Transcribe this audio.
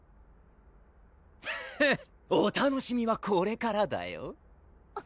フッお楽しみはこれからだよ